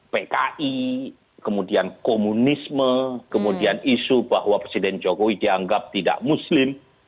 pki kemudian komunisme kemudian isu bahwa presiden jokowi dianggap tidak muslim